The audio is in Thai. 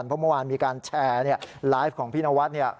เพราะเมื่อวานมีการแชร์ไลฟ์ของพี่นวัด